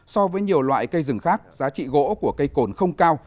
so với nhiều loại cây rừng khác giá trị gỗ của cây cồn không cao